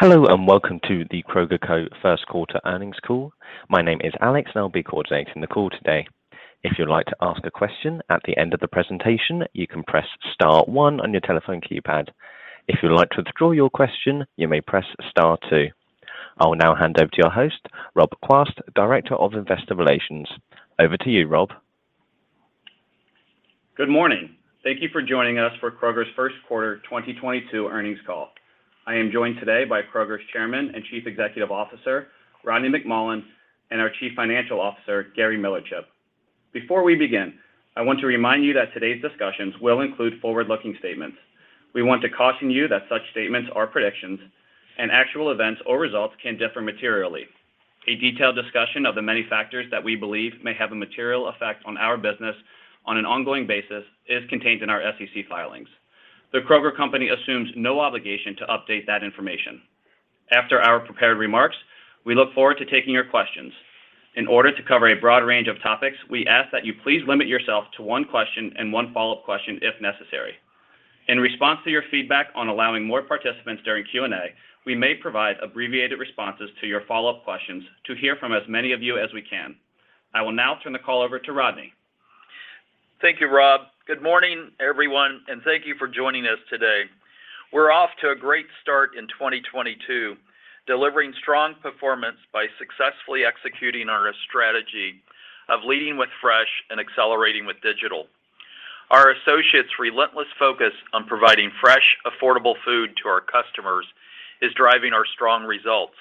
Hello, and welcome to the Kroger Co. First Quarter Earnings Call. My name is Alex, and I'll be coordinating the call today. If you'd like to ask a question at the end of the presentation, you can press star one on your telephone keypad. If you'd like to withdraw your question, you may press star two. I will now hand over to your host, Rob Quast, Director of Investor Relations. Over to you, Rob. Good morning. Thank you for joining us for Kroger's first quarter 2022 earnings call. I am joined today by Kroger's Chairman and Chief Executive Officer, Rodney McMullen, and our Chief Financial Officer, Gary Millerchip. Before we begin, I want to remind you that today's discussions will include forward-looking statements. We want to caution you that such statements are predictions and actual events or results can differ materially. A detailed discussion of the many factors that we believe may have a material effect on our business on an ongoing basis is contained in our SEC filings. The Kroger Company assumes no obligation to update that information. After our prepared remarks, we look forward to taking your questions. In order to cover a broad range of topics, we ask that you please limit yourself to one question and one follow-up question if necessary. In response to your feedback on allowing more participants during Q&A, we may provide abbreviated responses to your follow-up questions to hear from as many of you as we can. I will now turn the call over to Rodney. Thank you, Rob. Good morning, everyone, and thank you for joining us today. We're off to a great start in 2022, delivering strong performance by successfully executing on our strategy of leading with fresh and accelerating with digital. Our associates' relentless focus on providing fresh, affordable food to our customers is driving our strong results.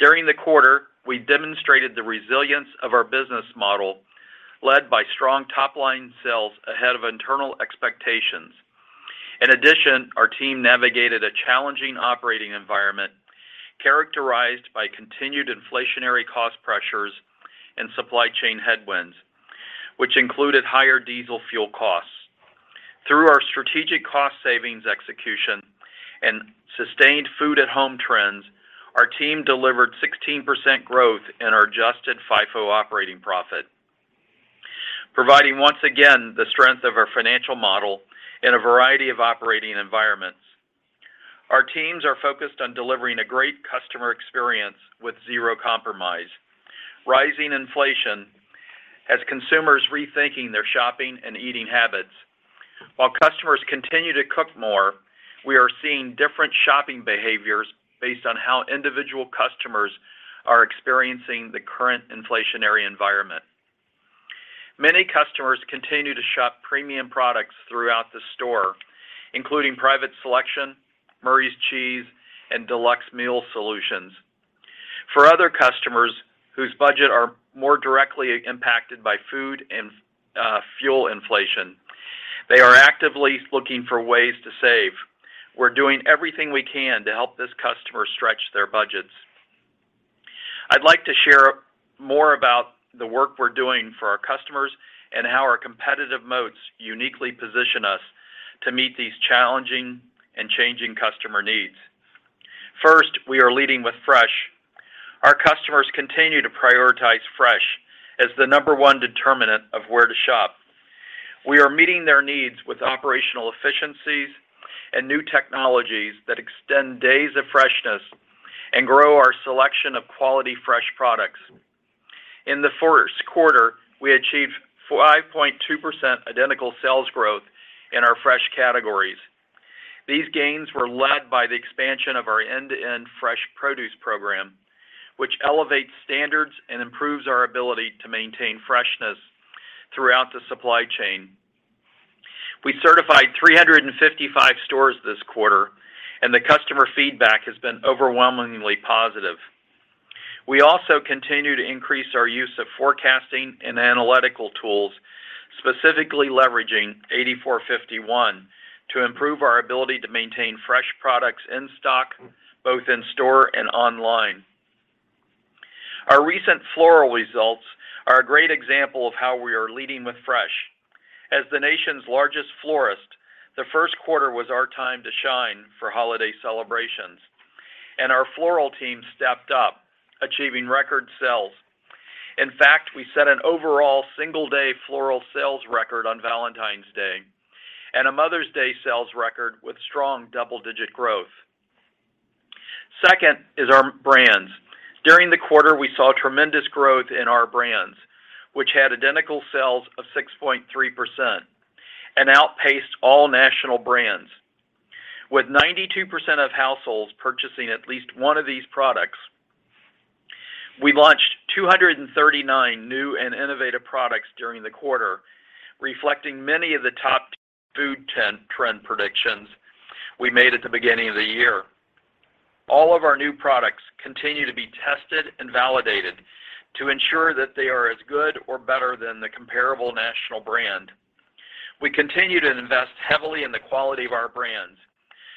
During the quarter, we demonstrated the resilience of our business model, led by strong top-line sales ahead of internal expectations. In addition, our team navigated a challenging operating environment characterized by continued inflationary cost pressures and supply chain headwinds, which included higher diesel fuel costs. Through our strategic cost savings execution and sustained food at home trends, our team delivered 16% growth in our adjusted FIFO operating profit, providing once again the strength of our financial model in a variety of operating environments. Our teams are focused on delivering a great customer experience with zero compromise. Rising inflation has consumers rethinking their shopping and eating habits. While customers continue to cook more, we are seeing different shopping behaviors based on how individual customers are experiencing the current inflationary environment. Many customers continue to shop premium products throughout the store, including Private Selection, Murray's Cheese, and deluxe meal solutions. For other customers whose budget are more directly impacted by food and fuel inflation, they are actively looking for ways to save. We're doing everything we can to help this customer stretch their budgets. I'd like to share more about the work we're doing for our customers and how our competitive moats uniquely position us to meet these challenging and changing customer needs. First, we are leading with fresh. Our customers continue to prioritize fresh as the number one determinant of where to shop. We are meeting their needs with operational efficiencies and new technologies that extend days of freshness and grow our selection of quality fresh products. In the first quarter, we achieved 5.2% identical sales growth in our fresh categories. These gains were led by the expansion of our end-to-end fresh produce program, which elevates standards and improves our ability to maintain freshness throughout the supply chain. We certified 355 stores this quarter, and the customer feedback has been overwhelmingly positive. We also continue to increase our use of forecasting and analytical tools, specifically leveraging 84.51° to improve our ability to maintain fresh products in stock, both in store and online. Our recent floral results are a great example of how we are leading with fresh. As the nation's largest florist, the first quarter was our time to shine for holiday celebrations, and our floral team stepped up, achieving record sales. In fact, we set an overall single-day floral sales record on Valentine's Day and a Mother's Day sales record with strong double-digit growth. Second is our brands. During the quarter, we saw tremendous growth in our brands, which had identical sales of 6.3% and outpaced all national brands. With 92% of households purchasing at least one of these products, we launched 239 new and innovative products during the quarter, reflecting many of the top food trend predictions we made at the beginning of the year. All of our new products continue to be tested and validated to ensure that they are as good or better than the comparable national brand. We continue to invest heavily in the quality of our brands,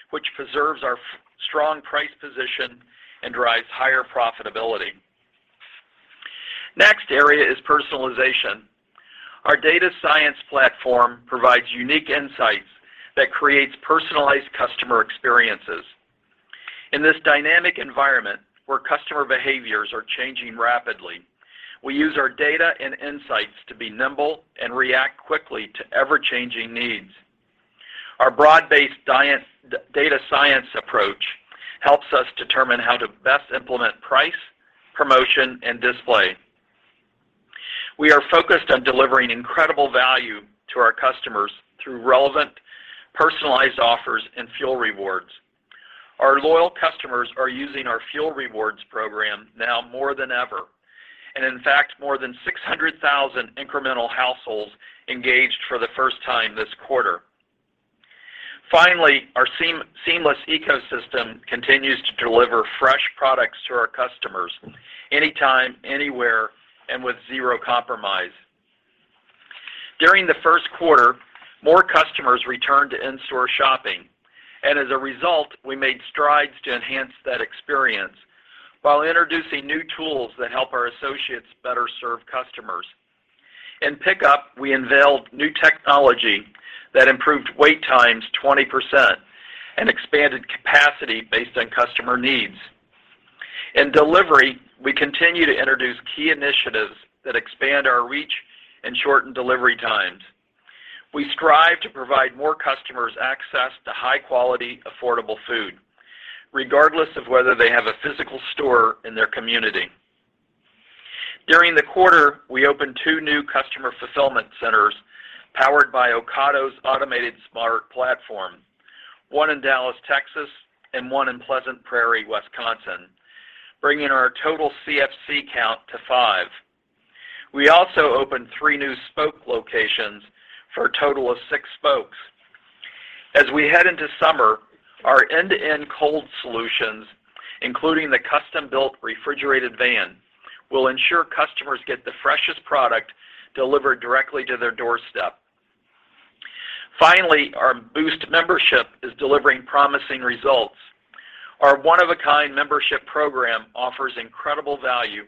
which preserves our strong price position and drives higher profitability. Next area is personalization. Our data science platform provides unique insights that creates personalized customer experiences. In this dynamic environment where customer behaviors are changing rapidly. We use our data and insights to be nimble and react quickly to ever-changing needs. Our broad-based audience data science approach helps us determine how to best implement price, promotion, and display. We are focused on delivering incredible value to our customers through relevant personalized offers and fuel rewards. Our loyal customers are using our fuel rewards program now more than ever, and in fact, more than 600,000 incremental households engaged for the first time this quarter. Finally, our seamless ecosystem continues to deliver fresh products to our customers anytime, anywhere, and with zero compromise. During the first quarter, more customers returned to in-store shopping, and as a result, we made strides to enhance that experience while introducing new tools that help our associates better serve customers. In pickup, we unveiled new technology that improved wait times 20% and expanded capacity based on customer needs. In delivery, we continue to introduce key initiatives that expand our reach and shorten delivery times. We strive to provide more customers access to high quality, affordable food, regardless of whether they have a physical store in their community. During the quarter, we opened two new customer fulfillment centers powered by Ocado's automated smart platform, one in Dallas, Texas, and one in Pleasant Prairie, Wisconsin, bringing our total CFC count to five. We also opened three new spoke locations for a total of six spokes. As we head into summer, our end-to-end cold solutions, including the custom-built refrigerated van, will ensure customers get the freshest product delivered directly to their doorstep. Finally, our Boost membership is delivering promising results. Our one-of-a-kind membership program offers incredible value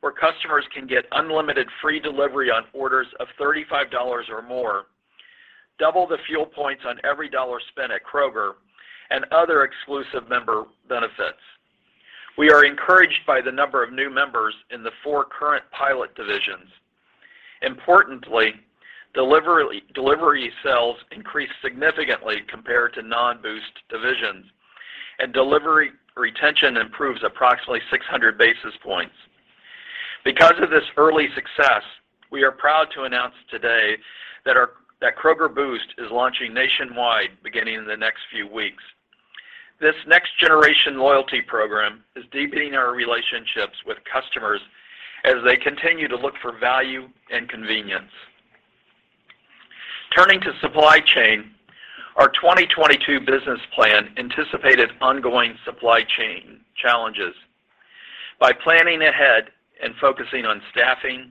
where customers can get unlimited free delivery on orders of $35 or more, double the fuel points on every dollar spent at Kroger and other exclusive member benefits. We are encouraged by the number of new members in the 4 current pilot divisions. Importantly, delivery sales increased significantly compared to non-Boost divisions, and delivery retention improves approximately 600 basis points. Because of this early success, we are proud to announce today that Kroger Boost is launching nationwide beginning in the next few weeks. This next generation loyalty program is deepening our relationships with customers as they continue to look for value and convenience. Turning to supply chain, our 2022 business plan anticipated ongoing supply chain challenges. By planning ahead and focusing on staffing,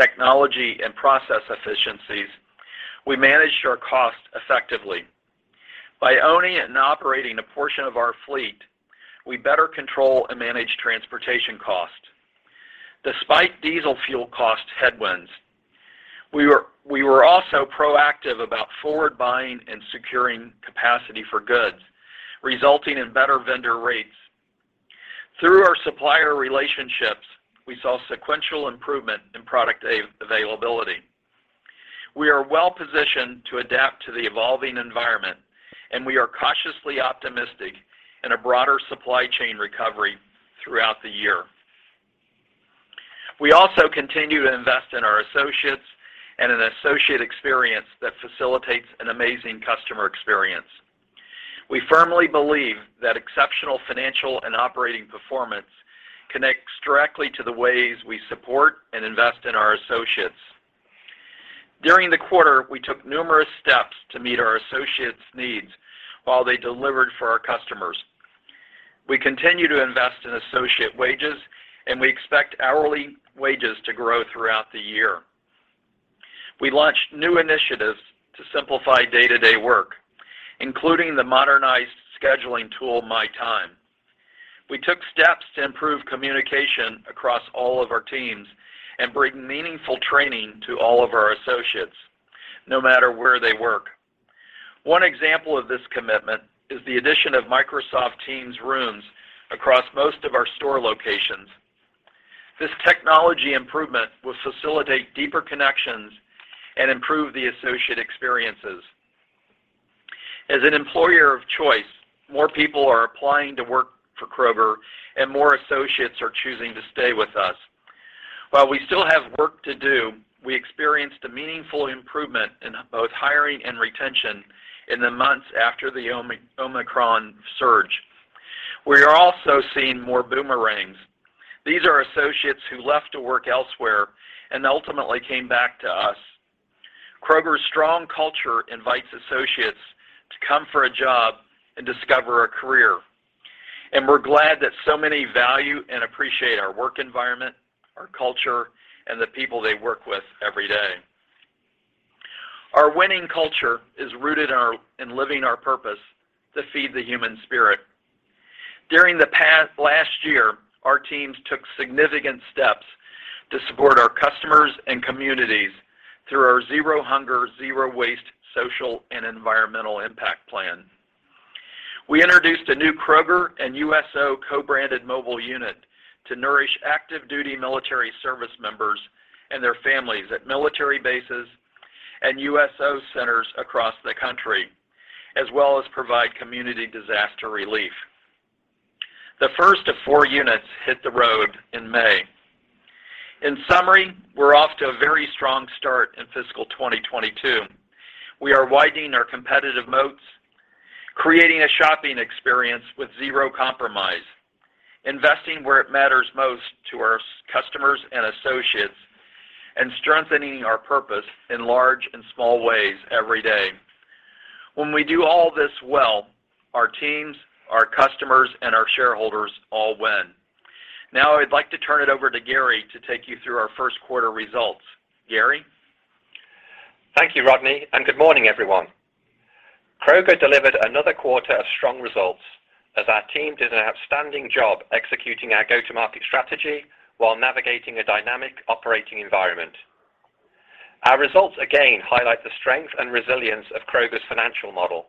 technology and process efficiencies, we managed our costs effectively. By owning and operating a portion of our fleet, we better control and manage transportation costs. Despite diesel fuel cost headwinds, we were also proactive about forward buying and securing capacity for goods, resulting in better vendor rates. Through our supplier relationships, we saw sequential improvement in product availability. We are well positioned to adapt to the evolving environment, and we are cautiously optimistic in a broader supply chain recovery throughout the year. We also continue to invest in our associates and an associate experience that facilitates an amazing customer experience. We firmly believe that exceptional financial and operating performance connects directly to the ways we support and invest in our associates. During the quarter, we took numerous steps to meet our associates' needs while they delivered for our customers. We continue to invest in associate wages, and we expect hourly wages to grow throughout the year. We launched new initiatives to simplify day-to-day work, including the modernized scheduling tool, MyTime. We took steps to improve communication across all of our teams and bring meaningful training to all of our associates, no matter where they work. One example of this commitment is the addition of Microsoft Teams rooms across most of our store locations. This technology improvement will facilitate deeper connections and improve the associate experiences. As an employer of choice, more people are applying to work for Kroger, and more associates are choosing to stay with us. While we still have work to do, we experienced a meaningful improvement in both hiring and retention in the months after the Omicron surge. We are also seeing more boomerangs. These are associates who left to work elsewhere and ultimately came back to us. Kroger's strong culture invites associates to come for a job and discover a career. We're glad that so many value and appreciate our work environment, our culture, and the people they work with every day. Our winning culture is rooted in living our purpose to feed the human spirit. During last year, our teams took significant steps to support our customers and communities through our Zero Hunger | Zero Waste social and environmental impact plan. We introduced a new Kroger and USO co-branded mobile unit to nourish active duty military service members and their families at military bases and USO centers across the country, as well as provide community disaster relief. The first of four units hit the road in May. In summary, we're off to a very strong start in fiscal 2022. We are widening our competitive moats, creating a shopping experience with zero compromise, investing where it matters most to our customers and associates, and strengthening our purpose in large and small ways every day. When we do all this well, our teams, our customers, and our shareholders all win. Now I'd like to turn it over to Gary to take you through our first quarter results. Gary? Thank you, Rodney, and good morning, everyone. Kroger delivered another quarter of strong results as our team did an outstanding job executing our go-to-market strategy while navigating a dynamic operating environment. Our results again highlight the strength and resilience of Kroger's financial model,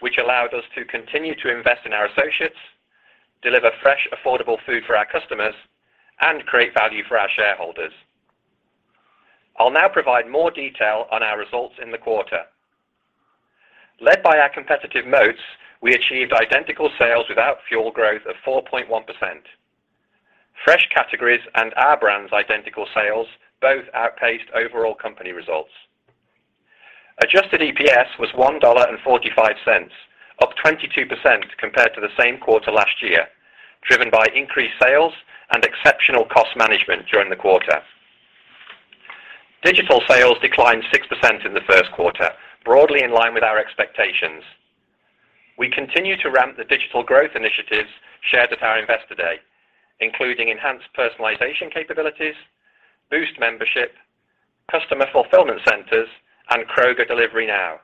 which allowed us to continue to invest in our associates, deliver fresh, affordable food for our customers, and create value for our shareholders. I'll now provide more detail on our results in the quarter. Led by our competitive moats, we achieved identical sales without fuel growth of 4.1%. Fresh categories and our brand's identical sales both outpaced overall company results. Adjusted EPS was $1.45, up 22% compared to the same quarter last year, driven by increased sales and exceptional cost management during the quarter. Digital sales declined 6% in the first quarter, broadly in line with our expectations. We continue to ramp the digital growth initiatives shared at our Investor Day, including enhanced personalization capabilities, Boost membership, customer fulfillment centers, and Kroger Delivery Now.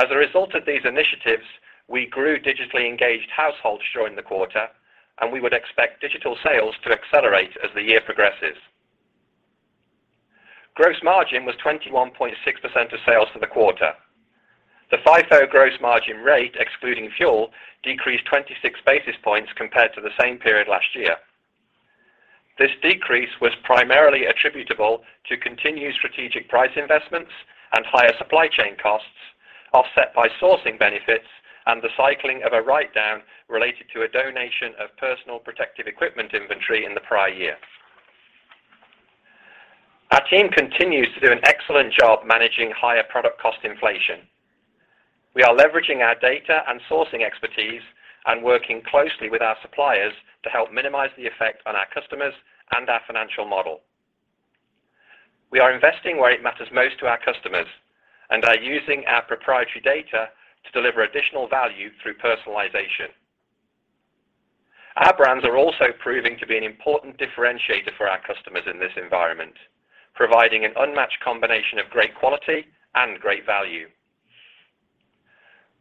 As a result of these initiatives, we grew digitally engaged households during the quarter, and we would expect digital sales to accelerate as the year progresses. Gross margin was 21.6% of sales for the quarter. The FIFO gross margin rate, excluding fuel, decreased 26 basis points compared to the same period last year. This decrease was primarily attributable to continued strategic price investments and higher supply chain costs, offset by sourcing benefits and the cycling of a writedown related to a donation of personal protective equipment inventory in the prior year. Our team continues to do an excellent job managing higher product cost inflation. We are leveraging our data and sourcing expertise and working closely with our suppliers to help minimize the effect on our customers and our financial model. We are investing where it matters most to our customers and are using our proprietary data to deliver additional value through personalization. Our brands are also proving to be an important differentiator for our customers in this environment, providing an unmatched combination of great quality and great value.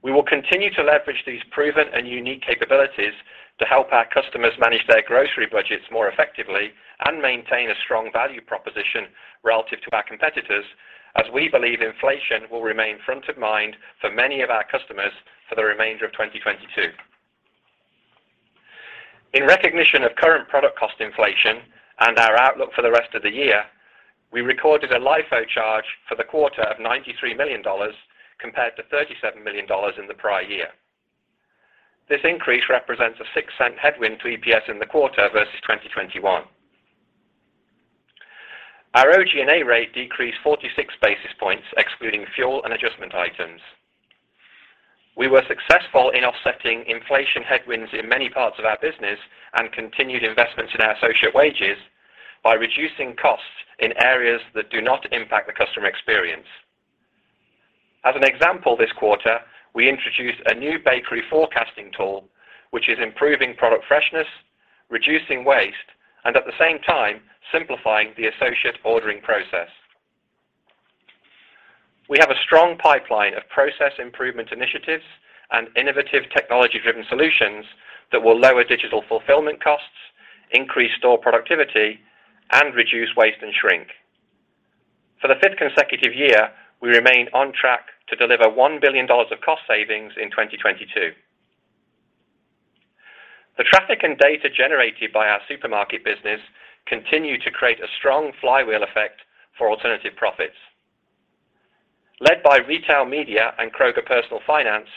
We will continue to leverage these proven and unique capabilities to help our customers manage their grocery budgets more effectively and maintain a strong value proposition relative to our competitors, as we believe inflation will remain front of mind for many of our customers for the remainder of 2022. In recognition of current product cost inflation and our outlook for the rest of the year, we recorded a LIFO charge for the quarter of $93 million compared to $37 million in the prior year. This increase represents a $0.06 headwind to EPS in the quarter versus 2021. Our OG&A rate decreased 46 basis points, excluding fuel and adjustment items. We were successful in offsetting inflation headwinds in many parts of our business and continued investments in our associate wages by reducing costs in areas that do not impact the customer experience. As an example, this quarter, we introduced a new bakery forecasting tool, which is improving product freshness, reducing waste, and at the same time simplifying the associate ordering process. We have a strong pipeline of process improvement initiatives and innovative technology-driven solutions that will lower digital fulfillment costs, increase store productivity, and reduce waste and shrink. For the fifth consecutive year, we remain on track to deliver $1 billion of cost savings in 2022. The traffic and data generated by our supermarket business continue to create a strong flywheel effect for alternative profits. Led by retail media and Kroger Personal Finance,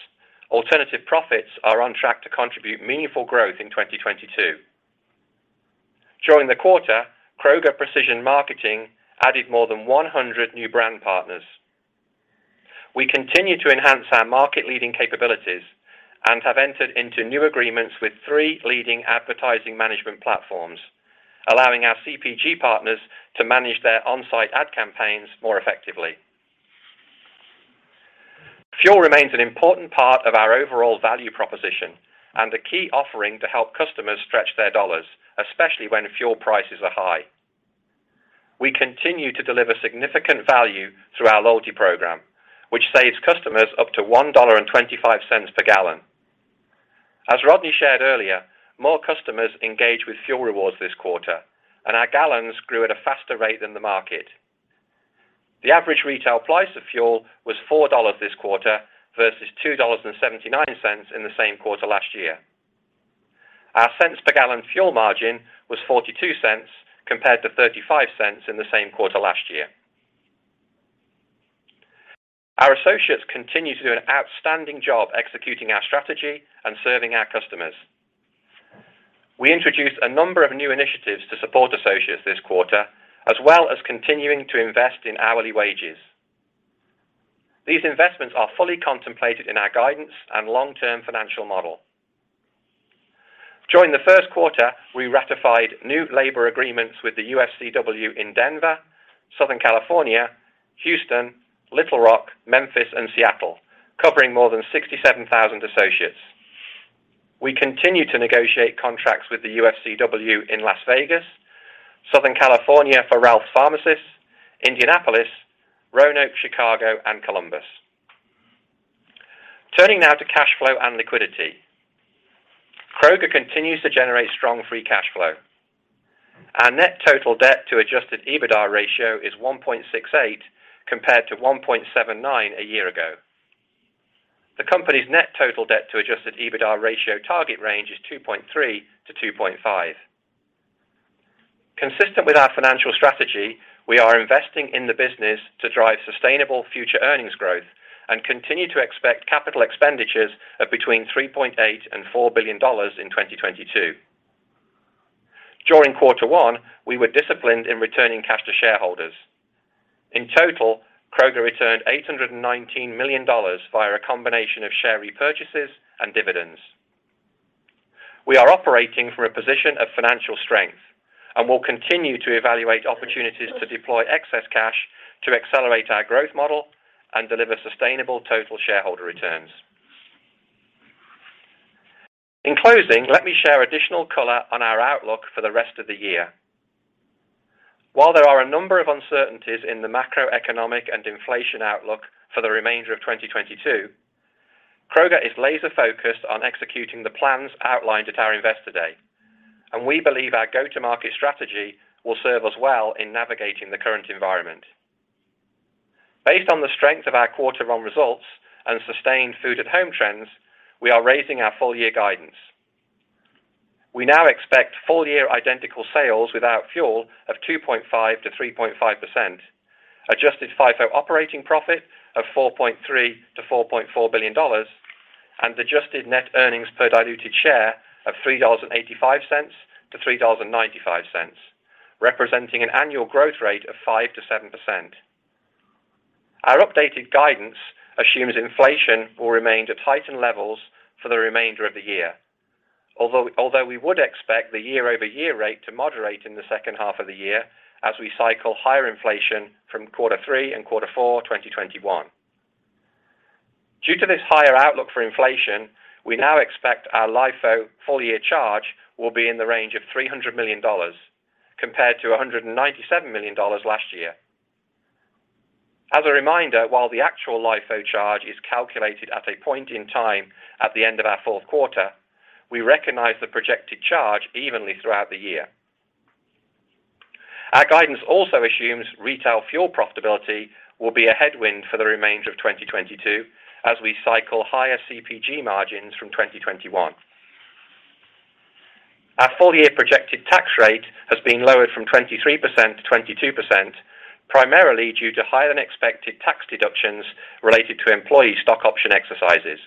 alternative profits are on track to contribute meaningful growth in 2022. During the quarter, Kroger Precision Marketing added more than 100 new brand partners. We continue to enhance our market-leading capabilities and have entered into new agreements with three leading advertising management platforms, allowing our CPG partners to manage their on-site ad campaigns more effectively. Fuel remains an important part of our overall value proposition and a key offering to help customers stretch their dollars, especially when fuel prices are high. We continue to deliver significant value through our loyalty program, which saves customers up to $1.25 per gallon. As Rodney shared earlier, more customers engaged with fuel rewards this quarter, and our gallons grew at a faster rate than the market. The average retail price of fuel was $4 this quarter versus $2.79 in the same quarter last year. Our cents per gallon fuel margin was $0.42 compared to $0.35 in the same quarter last year. Our associates continue to do an outstanding job executing our strategy and serving our customers. We introduced a number of new initiatives to support associates this quarter, as well as continuing to invest in hourly wages. These investments are fully contemplated in our guidance and long-term financial model. During the first quarter, we ratified new labor agreements with the UFCW in Denver, Southern California, Houston, Little Rock, Memphis and Seattle, covering more than 67,000 associates. We continue to negotiate contracts with the UFCW in Las Vegas, Southern California for Ralphs pharmacists, Indianapolis, Roanoke, Chicago and Columbus. Turning now to cash flow and liquidity. Kroger continues to generate strong free cash flow. Our net total debt to Adjusted EBITDA ratio is 1.68 compared to 1.79 a year ago. The company's net total debt to Adjusted EBITDA ratio target range is 2.3-2.5. Consistent with our financial strategy, we are investing in the business to drive sustainable future earnings growth and continue to expect capital expenditures of between $3.8 billion and $4 billion in 2022. During quarter one, we were disciplined in returning cash to shareholders. In total, Kroger returned $819 million via a combination of share repurchases and dividends. We are operating from a position of financial strength and will continue to evaluate opportunities to deploy excess cash to accelerate our growth model and deliver sustainable total shareholder returns. In closing, let me share additional color on our outlook for the rest of the year. While there are a number of uncertainties in the macroeconomic and inflation outlook for the remainder of 2022, Kroger is laser focused on executing the plans outlined at our Investor Day, and we believe our go-to-market strategy will serve us well in navigating the current environment. Based on the strength of our quarter one results and sustained food at home trends, we are raising our full year guidance. We now expect full year identical sales without fuel of 2.5%-3.5%. Adjusted FIFO operating profit of $4.3 billion-$4.4 billion and adjusted net earnings per diluted share of $3.85-$3.95, representing an annual growth rate of 5%-7%. Our updated guidance assumes inflation will remain at heightened levels for the remainder of the year. Although we would expect the year-over-year rate to moderate in the second half of the year as we cycle higher inflation from quarter three and quarter four 2021. Due to this higher outlook for inflation, we now expect our LIFO full year charge will be in the range of $300 million compared to $197 million last year. As a reminder, while the actual LIFO charge is calculated at a point in time at the end of our fourth quarter, we recognize the projected charge evenly throughout the year. Our guidance also assumes retail fuel profitability will be a headwind for the remainder of 2022 as we cycle higher CPG margins from 2021. Our full year projected tax rate has been lowered from 23% to 22%, primarily due to higher than expected tax deductions related to employee stock option exercises.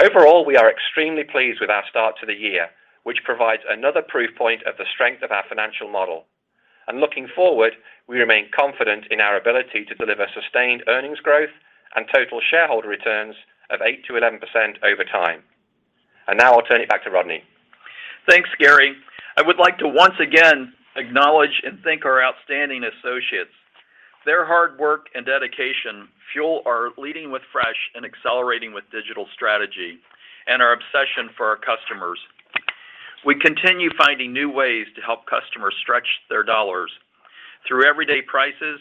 Overall, we are extremely pleased with our start to the year, which provides another proof point of the strength of our financial model. Looking forward, we remain confident in our ability to deliver sustained earnings growth and total shareholder returns of 8%-11% over time. Now I'll turn it back to Rodney. Thanks, Gary. I would like to once again acknowledge and thank our outstanding associates. Their hard work and dedication fuel our leading with fresh and accelerating with digital strategy and our obsession for our customers. We continue finding new ways to help customers stretch their dollars through everyday prices,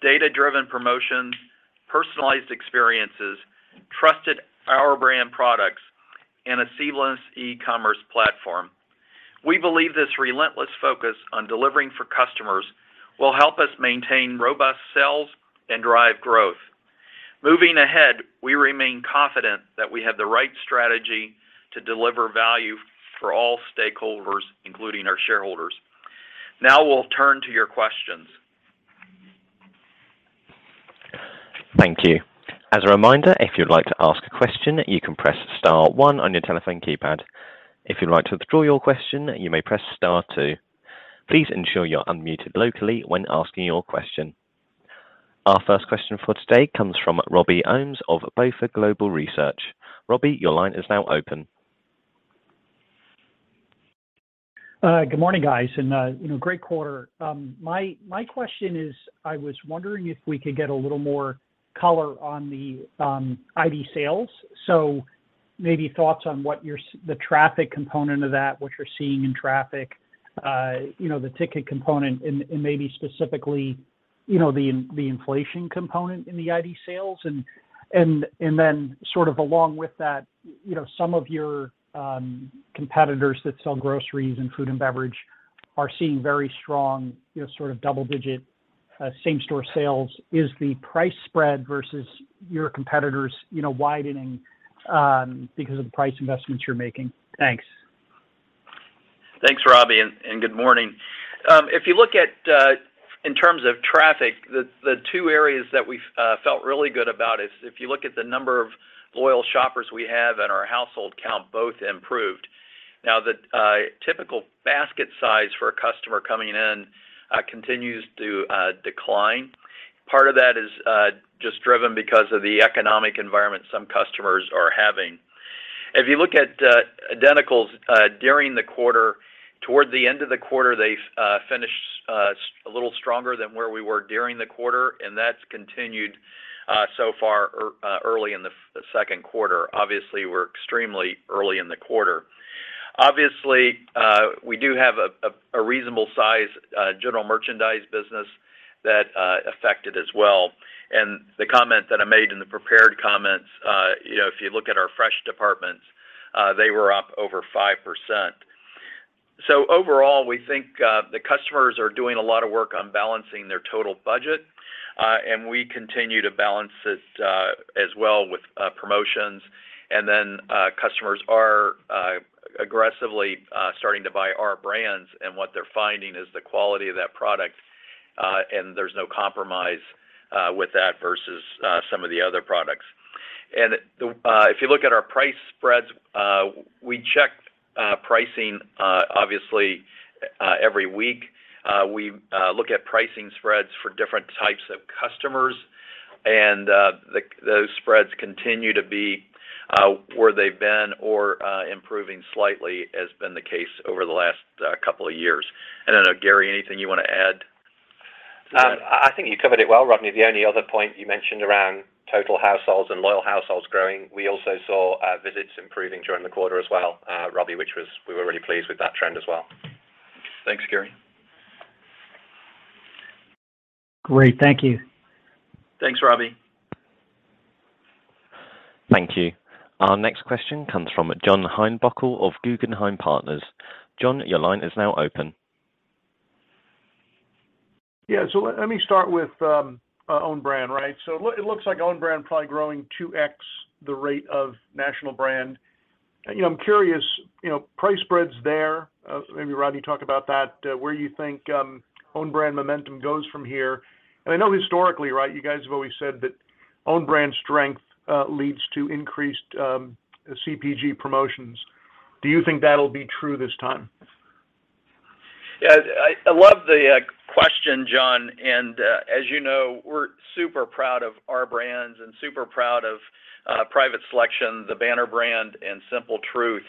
data-driven promotions, personalized experiences, trusted our brand products, and a seamless e-commerce platform. We believe this relentless focus on delivering for customers will help us maintain robust sales and drive growth. Moving ahead, we remain confident that we have the right strategy to deliver value for all stakeholders, including our shareholders. Now we'll turn to your questions. Thank you. As a reminder, if you'd like to ask a question, you can press star one on your telephone keypad. If you'd like to withdraw your question, you may press star two. Please ensure you're unmuted locally when asking your question. Our first question for today comes from Robbie Ohmes of BofA Global Research. Robbie, your line is now open. Good morning, guys, and you know, great quarter. My question is, I was wondering if we could get a little more color on the ID sales. So maybe thoughts on the traffic component of that, what you're seeing in traffic, you know, the ticket component and maybe specifically, you know, the inflation component in the ID sales. And then sort of along with that, you know, some of your competitors that sell groceries and food and beverage are seeing very strong, you know, sort of double-digit same store sales. Is the price spread versus your competitors, you know, widening because of the price investments you're making? Thanks. Thanks, Robbie, and good morning. If you look at in terms of traffic, the two areas that we felt really good about is if you look at the number of loyal shoppers we have and our household count both improved. Now the typical basket size for a customer coming in continues to decline. Part of that is just driven because of the economic environment some customers are having. If you look at identicals during the quarter, toward the end of the quarter, they finished a little stronger than where we were during the quarter, and that's continued so far early in the second quarter. Obviously, we're extremely early in the quarter. Obviously, we do have a reasonable size general merchandise business that affected as well. The comment that I made in the prepared comments, you know, if you look at our fresh departments, they were up over 5%. Overall, we think the customers are doing a lot of work on balancing their total budget, and we continue to balance it as well with promotions. Customers are aggressively starting to buy our brands, and what they're finding is the quality of that product, and there's no compromise with that versus some of the other products. If you look at our price spreads, we check pricing obviously every week. We look at pricing spreads for different types of customers, and those spreads continue to be where they've been or improving slightly, as been the case over the last couple of years. I don't know, Gary, anything you wanna add? I think you covered it well, Robbie. The only other point you mentioned around total households and loyal households growing. We also saw visits improving during the quarter as well, Robbie, which we were really pleased with that trend as well. Thanks, Gary. Great. Thank you. Thanks, Robbie. Thank you. Our next question comes from John Heinbockel of Guggenheim Partners. John, your line is now open. Yeah. Let me start with own brand, right? It looks like own brand probably growing 2x the rate of national brand. You know, I'm curious, you know, price spreads there, maybe Robbie, talk about that, where you think own brand momentum goes from here. I know historically, right, you guys have always said that own brand strength leads to increased CPG promotions. Do you think that'll be true this time? Yeah. I love the question, John, and as you know, we're super proud of our brands and super proud of Private Selection, the banner brand, and Simple Truth.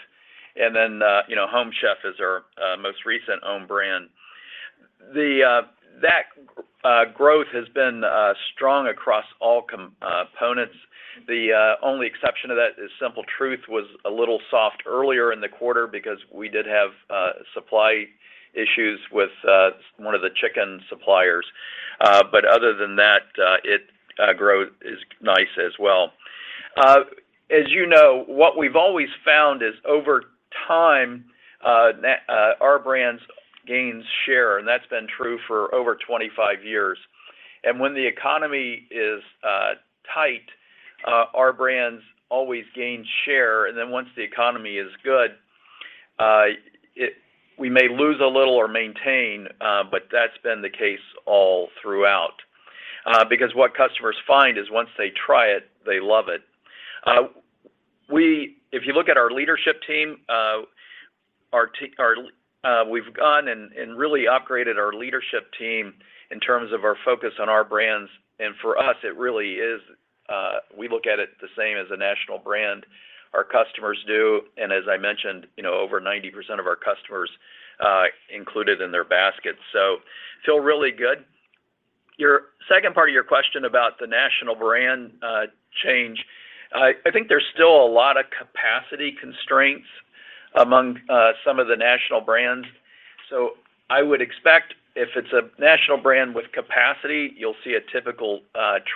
Then you know, Home Chef is our most recent own brand. The growth has been strong across all components. The only exception to that is Simple Truth was a little soft earlier in the quarter because we did have supply issues with one of the chicken suppliers. But other than that, its growth is nice as well. As you know, what we've always found is over time, our brands gain share, and that's been true for over 25 years. When the economy is tight, our brands always gain share, and then once the economy is good, we may lose a little or maintain, but that's been the case all throughout. Because what customers find is once they try it, they love it. If you look at our leadership team, we've gone and really upgraded our leadership team in terms of our focus on our brands. For us, it really is, we look at it the same as a national brand our customers do. As I mentioned, you know, over 90% of our customers include it in their basket. Feel really good. Your second part of your question about the national brand change, I think there's still a lot of capacity constraints among some of the national brands. I would expect if it's a national brand with capacity, you'll see a typical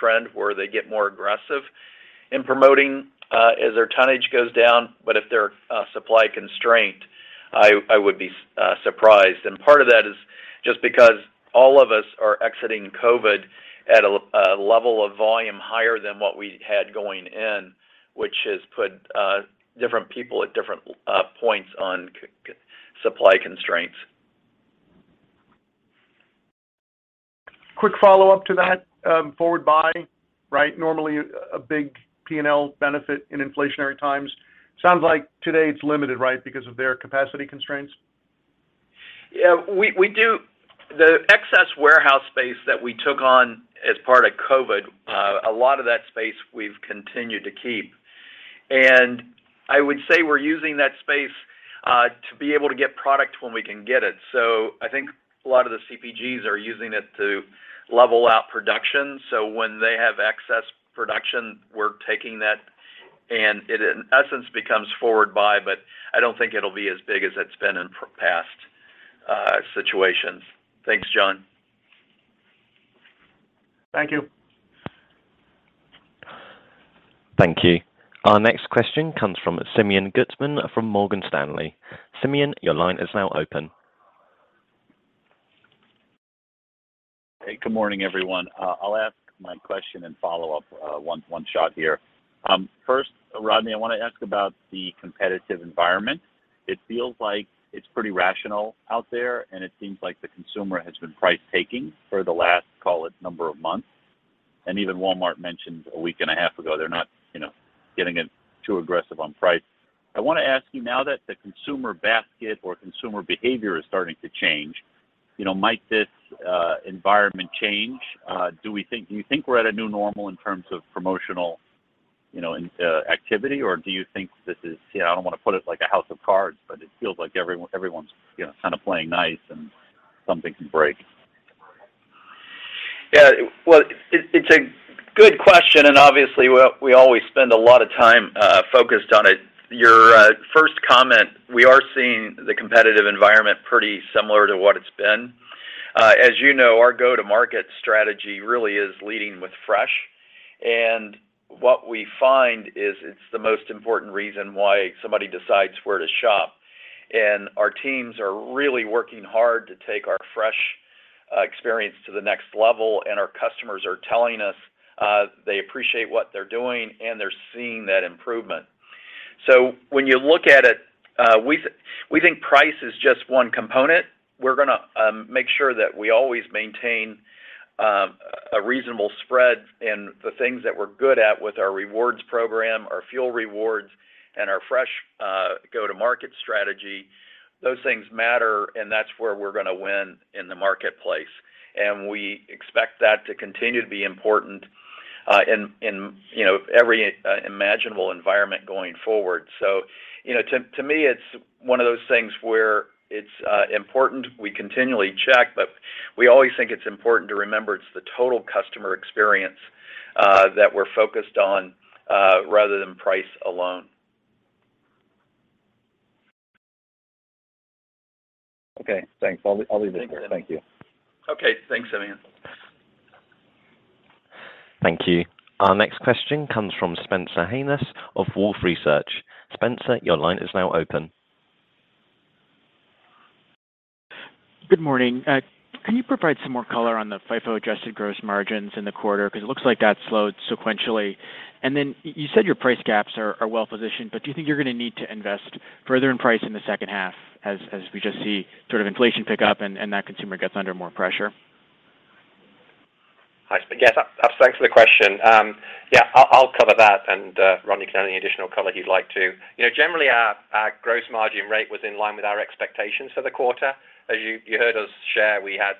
trend where they get more aggressive in promoting as their tonnage goes down. If they're supply constrained, I would be surprised. Part of that is just because all of us are exiting COVID at a level of volume higher than what we had going in, which has put different people at different points on supply constraints. Quick follow-up to that, forward buy, right? Normally a big P&L benefit in inflationary times. Sounds like today it's limited, right, because of their capacity constraints. Yeah. The excess warehouse space that we took on as part of COVID, a lot of that space we've continued to keep. I would say we're using that space to be able to get product when we can get it. I think a lot of the CPGs are using it to level out production. When they have excess production, we're taking that, and it in essence becomes forward buy, but I don't think it'll be as big as it's been in past situations. Thanks, John. Thank you. Thank you. Our next question comes from Simeon Gutman from Morgan Stanley. Simeon, your line is now open. Hey, good morning, everyone. I'll ask my question and follow up one shot here. First, Rodney, I wanna ask about the competitive environment. It feels like it's pretty rational out there, and it seems like the consumer has been price taking for the last, call it, number of months. Even Walmart mentioned a week and a half ago they're not, you know, getting too aggressive on price. I wanna ask you now that the consumer basket or consumer behavior is starting to change, you know, might this environment change? Do you think we're at a new normal in terms of promotional, you know, in activity? Or do you think this is you know, I don't wanna put it like a house of cards, but it feels like everyone's, you know, kind of playing nice and something can break. Well, it's a good question, and obviously, we always spend a lot of time focused on it. Your first comment, we are seeing the competitive environment pretty similar to what it's been. As you know, our go-to-market strategy really is leading with fresh. What we find is it's the most important reason why somebody decides where to shop. Our teams are really working hard to take our fresh experience to the next level, and our customers are telling us they appreciate what they're doing and they're seeing that improvement. When you look at it, we think price is just one component. We're gonna make sure that we always maintain a reasonable spread. The things that we're good at with our rewards program, our fuel rewards, and our fresh go-to-market strategy, those things matter, and that's where we're gonna win in the marketplace. We expect that to continue to be important in you know every imaginable environment going forward. You know to me it's one of those things where it's important we continually check, but we always think it's important to remember it's the total customer experience that we're focused on rather than price alone. Okay. Thanks. I'll leave it there. Thank you. Okay. Thanks, Simeon. Thank you. Our next question comes from Spencer Hanus of Wolfe Research. Spencer, your line is now open. Good morning. Can you provide some more color on the FIFO adjusted gross margins in the quarter? 'Cause it looks like that slowed sequentially. You said your price gaps are well positioned, but do you think you're gonna need to invest further in price in the second half as we just see sort of inflation pick up and that consumer gets under more pressure? Thanks for the question. Yeah, I'll cover that and Rodney can add any additional color he'd like to. You know, generally, our gross margin rate was in line with our expectations for the quarter. As you heard us share, we had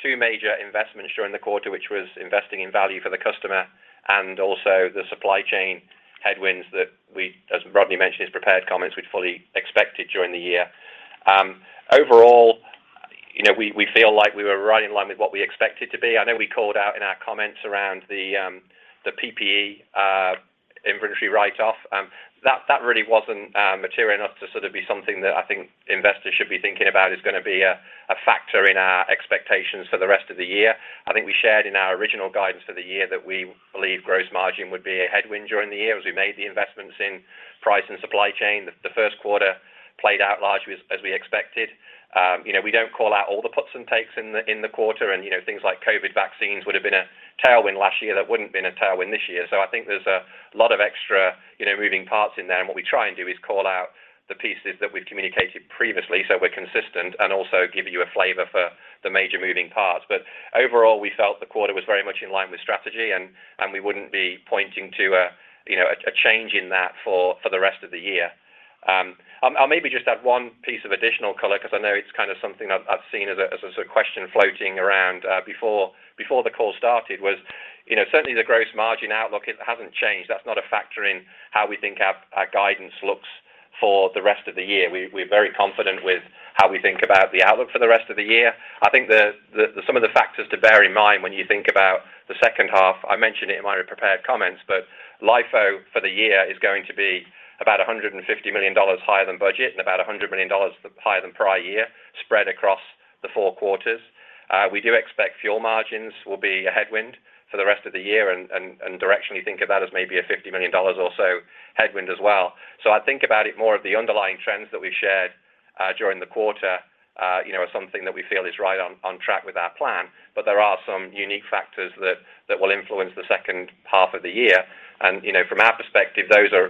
two major investments during the quarter, which was investing in value for the customer and also the supply chain headwinds that we, as Rodney mentioned in his prepared comments, we'd fully expected during the year. Overall, you know, we feel like we were right in line with what we expected to be. I know we called out in our comments around the PPE inventory write-off that really wasn't material enough to sort of be something that I think investors should be thinking about is gonna be a factor in our expectations for the rest of the year. I think we shared in our original guidance for the year that we believe gross margin would be a headwind during the year as we made the investments in price and supply chain. The first quarter played out largely as we expected. You know, we don't call out all the puts and takes in the quarter and, you know, things like COVID vaccines would have been a tailwind last year that wouldn't been a tailwind this year. I think there's a lot of extra, you know, moving parts in there. What we try and do is call out the pieces that we've communicated previously, so we're consistent and also give you a flavor for the major moving parts. Overall, we felt the quarter was very much in line with strategy, and we wouldn't be pointing to a change in that for the rest of the year. I'll maybe just add one piece of additional color because I know it's kind of something I've seen as a sort of question floating around before the call started. Certainly the gross margin outlook hasn't changed. That's not a factor in how we think our guidance looks for the rest of the year. We're very confident with how we think about the outlook for the rest of the year. I think the Some of the factors to bear in mind when you think about the second half, I mentioned it in my prepared comments, but LIFO for the year is going to be about $150 million higher than budget and about $100 million higher than prior year spread across the four quarters. We do expect fuel margins will be a headwind for the rest of the year and directionally think of that as maybe $50 million or so headwind as well. I think about it more of the underlying trends that we've shared during the quarter, you know, as something that we feel is right on track with our plan. There are some unique factors that will influence the second half of the year. You know, from our perspective, those are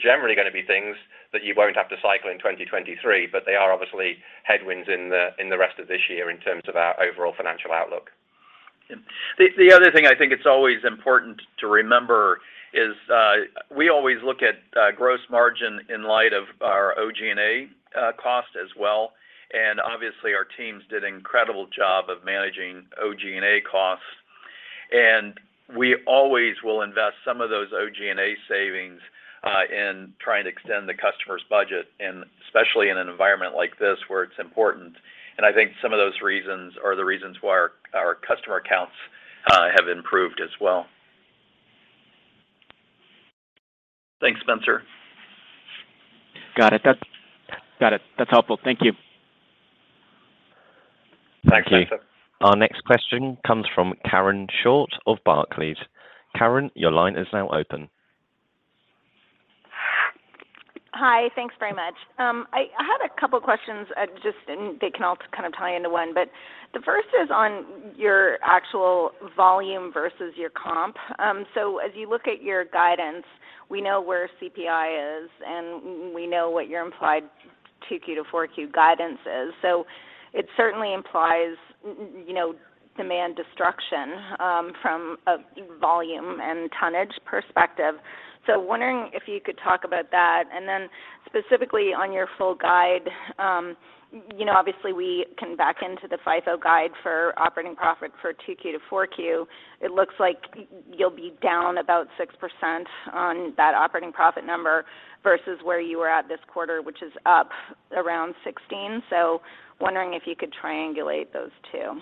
generally gonna be things that you won't have to cycle in 2023, but they are obviously headwinds in the rest of this year in terms of our overall financial outlook. The other thing I think it's always important to remember is, we always look at gross margin in light of our OG&A cost as well. Obviously, our teams did an incredible job of managing OG&A costs. We always will invest some of those OG&A savings in trying to extend the customer's budget, and especially in an environment like this where it's important. I think some of those reasons are the reasons why our customer counts have improved as well. Thanks, Spencer. Got it. That's helpful. Thank you. Thanks, Spencer. Our next question comes from Karen Short of Barclays. Karen, your line is now open. Hi. Thanks very much. I had a couple questions, just and they can all kind of tie into one, but the first is on your actual volume versus your comp. So as you look at your guidance, we know where CPI is and we know what your implied 2Q to 4Q guidance is. It certainly implies, you know, demand destruction, from a volume and tonnage perspective. Wondering if you could talk about that. Then specifically on your full guide, you know, obviously we can back into the FIFO guide for operating profit for 2Q-4Q. It looks like you'll be down about 6% on that operating profit number versus where you were at this quarter, which is up around 16%. Wondering if you could triangulate those two.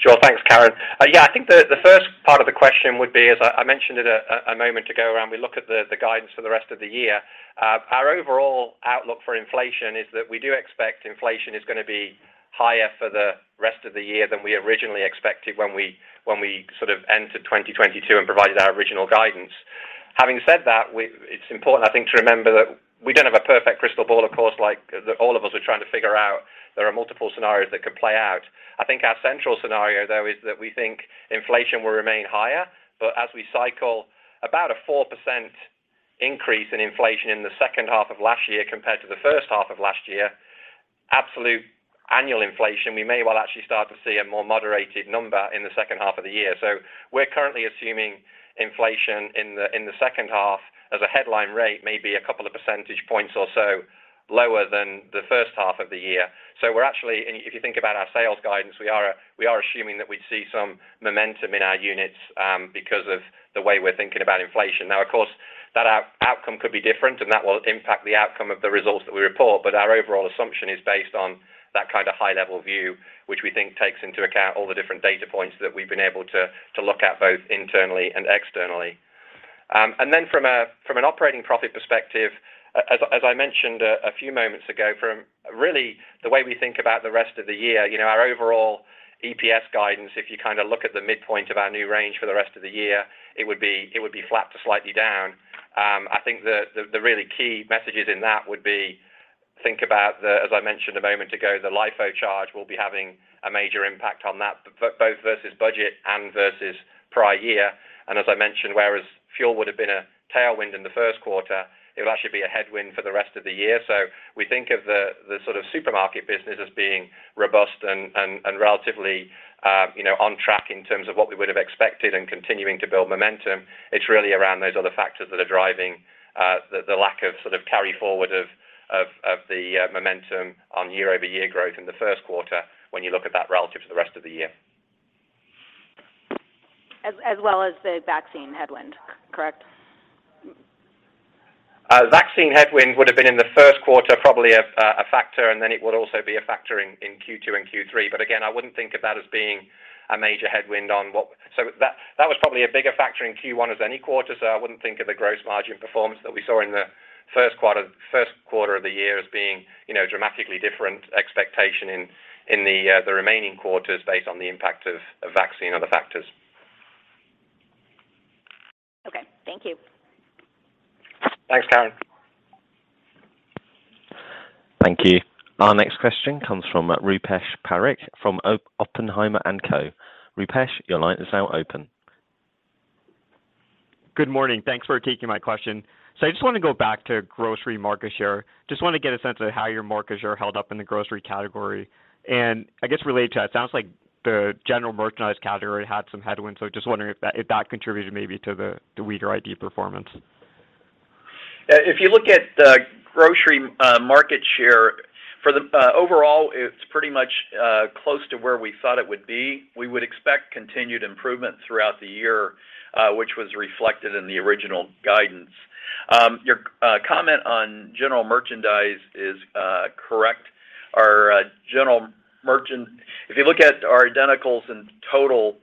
Sure. Thanks, Karen. Yeah, I think the first part of the question would be, as I mentioned a moment ago, when we look at the guidance for the rest of the year. Our overall outlook for inflation is that we do expect inflation is gonna be higher for the rest of the year than we originally expected when we sort of entered 2022 and provided our original guidance. Having said that, it's important, I think, to remember that we don't have a perfect crystal ball, of course, like we all are trying to figure out. There are multiple scenarios that could play out. I think our central scenario, though, is that we think inflation will remain higher. As we cycle about a 4% increase in inflation in the second half of last year compared to the first half of last year, absolute annual inflation, we may well actually start to see a more moderated number in the second half of the year. We're currently assuming inflation in the second half as a headline rate may be a couple of percentage points or so lower than the first half of the year. If you think about our sales guidance, we are assuming that we'd see some momentum in our units because of the way we're thinking about inflation. Now, of course, that outcome could be different and that will impact the outcome of the results that we report. Our overall assumption is based on that kind of high level view, which we think takes into account all the different data points that we've been able to to look at both internally and externally. Then from an operating profit perspective, as I mentioned a few moments ago, from really the way we think about the rest of the year, you know, our overall EPS guidance, if you kinda look at the midpoint of our new range for the rest of the year, it would be flat to slightly down. I think the really key messages in that would be, think about the, as I mentioned a moment ago, the LIFO charge will be having a major impact on that both versus budget and versus prior year. As I mentioned, whereas fuel would have been a tailwind in the first quarter, it'll actually be a headwind for the rest of the year. We think of the sort of supermarket business as being robust and relatively on track in terms of what we would have expected and continuing to build momentum. It's really around those other factors that are driving the lack of sort of carry forward of the momentum on year-over-year growth in the first quarter when you look at that relative to the rest of the year. As well as the vaccine headwind, correct? Vaccine headwind would have been in the first quarter, probably a factor, and then it would also be a factor in Q two and Q three. Again, I wouldn't think of that as being a major headwind. That was probably a bigger factor in Q one than any quarter. I wouldn't think of the gross margin performance that we saw in the first quarter of the year as being, you know, dramatically different from expectation in the remaining quarters based on the impact of vaccine or the factors. Okay. Thank you. Thanks, Karen. Thank you. Our next question comes from Rupesh Parikh from Oppenheimer & Co. Rupesh, your line is now open. Good morning. Thanks for taking my question. I just wanna go back to grocery market share. Just wanna get a sense of how your market share held up in the grocery category. I guess related to that, it sounds like the general merchandise category had some headwinds. Just wondering if that contributed maybe to the weaker ID performance. If you look at the grocery market share for the overall, it's pretty much close to where we thought it would be. We would expect continued improvement throughout the year, which was reflected in the original guidance. Your comment on general merchandise is correct. If you look at our identicals in total,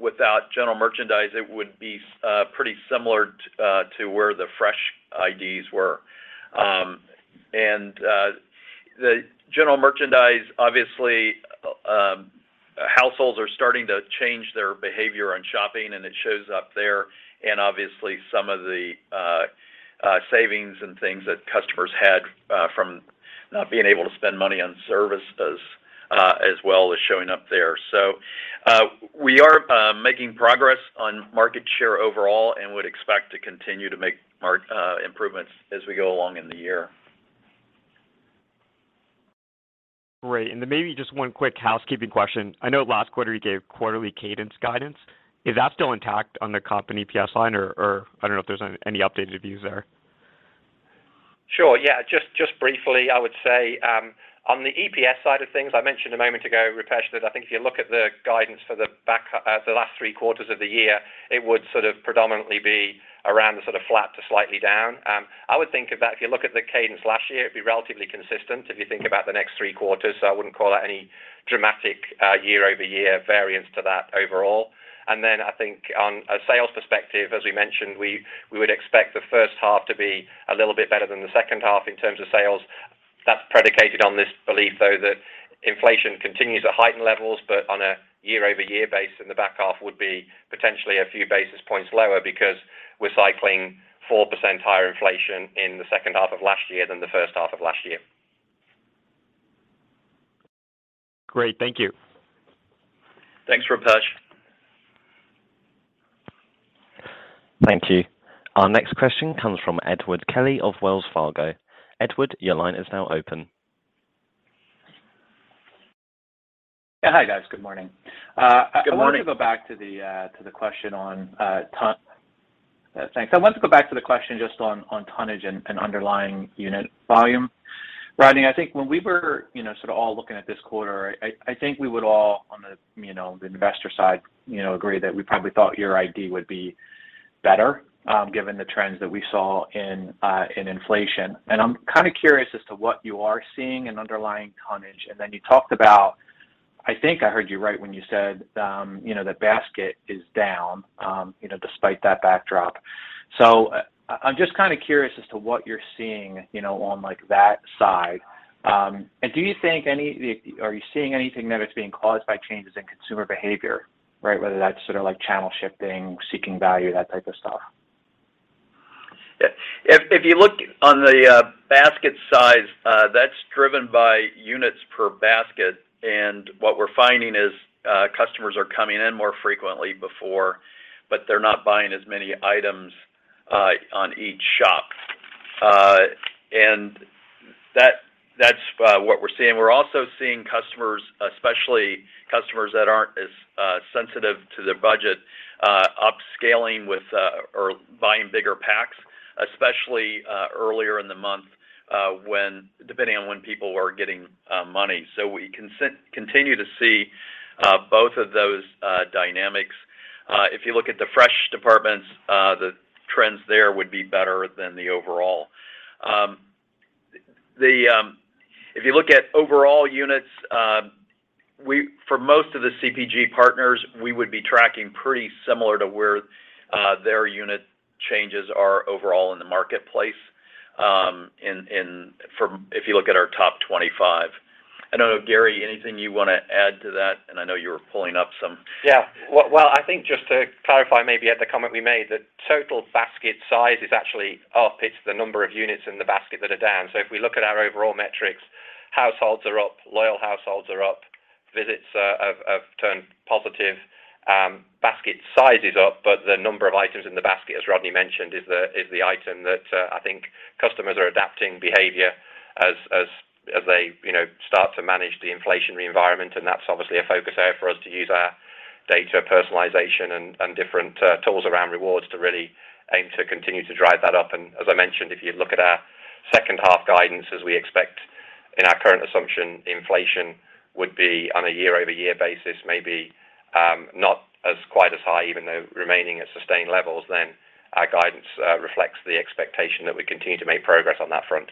without general merchandise, it would be pretty similar to where the fresh IDs were. The general merchandise, obviously, households are starting to change their behavior on shopping, and it shows up there. Obviously, some of the savings and things that customers had from not being able to spend money on services as well is showing up there. We are making progress on market share overall and would expect to continue to make improvements as we go along in the year. Great. Maybe just one quick housekeeping question. I know last quarter you gave quarterly cadence guidance. Is that still intact on the comp and EPS line or I don't know if there's any updated views there? Sure. Yeah. Just briefly, I would say on the EPS side of things, I mentioned a moment ago, Rupesh, that I think if you look at the guidance for the back, the last three quarters of the year, it would sort of predominantly be around the sort of flat to slightly down. I would think of that if you look at the cadence last year, it'd be relatively consistent if you think about the next three quarters. I wouldn't call that any dramatic year-over-year variance to that overall. I think on a sales perspective, as we mentioned, we would expect the first half to be a little bit better than the second half in terms of sales. That's predicated on this belief, though, that inflation continues at heightened levels, but on a year-over-year base in the back half would be potentially a few basis points lower because we're cycling 4% higher inflation in the second half of last year than the first half of last year. Great. Thank you. Thanks, Rupesh. Thank you. Our next question comes from Edward Kelly of Wells Fargo. Edward, your line is now open. Yeah. Hi, guys. Good morning. Good morning. I want to go back to the question just on tonnage and underlying unit volume. Rodney, I think when we were, you know, sort of all looking at this quarter, I think we would all on the, you know, the investor side, you know, agree that we probably thought your ID would be better, given the trends that we saw in inflation. I'm kind of curious as to what you are seeing in underlying tonnage. Then you talked about. I think I heard you right when you said, you know, the basket is down, you know, despite that backdrop. I'm just kind of curious as to what you're seeing, you know, on, like, that side. Are you seeing anything that it's being caused by changes in consumer behavior, right? Whether that's sort of like channel shifting, seeking value, that type of stuff. If you look at the basket size, that's driven by units per basket, and what we're finding is customers are coming in more frequently than before, but they're not buying as many items on each shop. That's what we're seeing. We're also seeing customers, especially customers that aren't as sensitive to their budget, upscaling or buying bigger packs, especially earlier in the month, when depending on when people are getting money. We continue to see both of those dynamics. If you look at the fresh departments, the trends there would be better than the overall. If you look at overall units, for most of the CPG partners, we would be tracking pretty similar to where their unit changes are overall in the marketplace, if you look at our top 25. I don't know, Gary, anything you wanna add to that? I know you were pulling up some. Yeah. Well, I think just to clarify maybe at the comment we made, the total basket size is actually up. It's the number of units in the basket that are down. If we look at our overall metrics, households are up, loyal households are up, visits have turned positive. Basket size is up, but the number of items in the basket, as Rodney mentioned, is the item that I think customers are adapting behavior as they you know start to manage the inflationary environment. That's obviously a focus area for us to use our data personalization and different tools around rewards to really aim to continue to drive that up. As I mentioned, if you look at our second half guidance as we expect in our current assumption, inflation would be on a year-over-year basis, maybe not as quite as high, even though remaining at sustained levels than our guidance reflects the expectation that we continue to make progress on that front.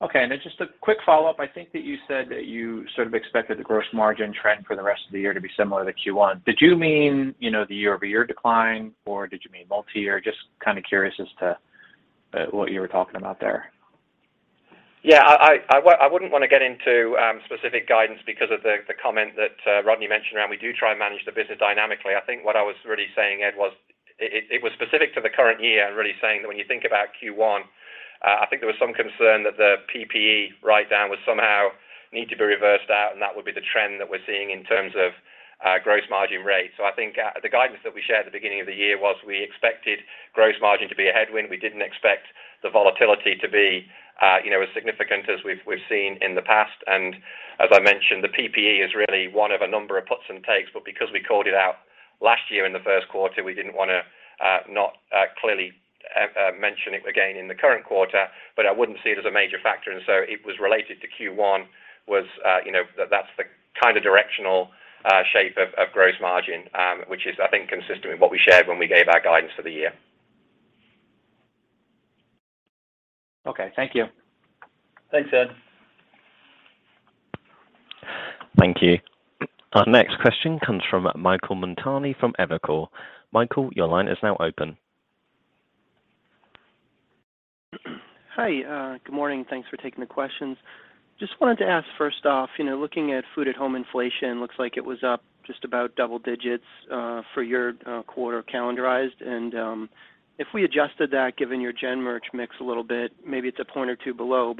Okay. Just a quick follow-up. I think that you said that you sort of expected the gross margin trend for the rest of the year to be similar to Q1. Did you mean, you know, the year-over-year decline, or did you mean multi-year? Just kind of curious as to what you were talking about there. Yeah. I wouldn't wanna get into specific guidance because of the comment that Rodney mentioned around we do try and manage the business dynamically. I think what I was really saying, Ed, was it was specific to the current year and really saying that when you think about Q1, I think there was some concern that the PPE write-down would somehow need to be reversed out, and that would be the trend that we're seeing in terms of gross margin rate. I think the guidance that we shared at the beginning of the year was we expected gross margin to be a headwind. We didn't expect the volatility to be, you know, as significant as we've seen in the past. As I mentioned, the PPE is really one of a number of puts and takes. Because we called it out last year in the first quarter, we didn't wanna not clearly mention it again in the current quarter, but I wouldn't see it as a major factor. It was related to Q1, you know, that's the kinda directional shape of gross margin, which is, I think, consistent with what we shared when we gave our guidance for the year. Okay. Thank you. Thanks, Ed. Thank you. Our next question comes from Michael Montani from Evercore. Michael, your line is now open. Hi. Good morning. Thanks for taking the questions. Just wanted to ask first off, you know, looking at food at home inflation, looks like it was up just about double digits for your quarter calendarized. If we adjusted that given your gen merch mix a little bit, maybe it's a point or two below.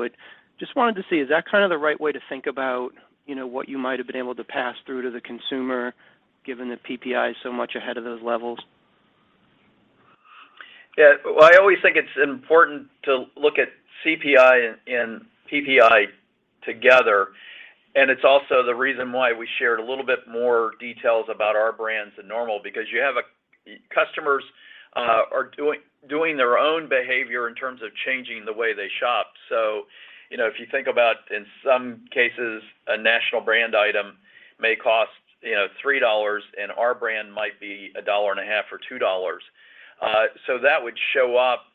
Just wanted to see, is that kind of the right way to think about, you know, what you might have been able to pass through to the consumer given the PPI is so much ahead of those levels? Yeah. Well, I always think it's important to look at CPI and PPI together. It's also the reason why we shared a little bit more details about our brands than normal because you have customers are doing their own behavior in terms of changing the way they shop. You know, if you think about in some cases a national brand item may cost $3 and our brand might be $1.50 or $2. That would show up